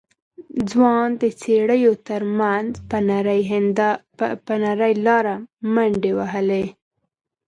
ځوان د څېړيو تر منځ په نرۍ لاره منډې وهلې.